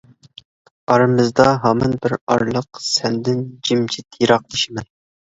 ئارىمىزدا ھامان بىر ئارىلىق سەندىن جىمجىت يىراقلىشىمەن.